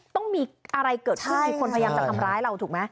ต้องมีอะไรเกิดขึ้นมีคนพยายามจะทำร้ายเราถูกไหม